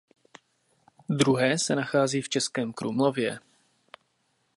Druhé se nachází v Českém Krumlově.